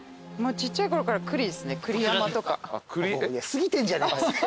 ちっちゃいころからクリですね